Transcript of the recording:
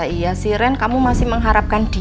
masa iya sih ren kamu masih mengharapkan dia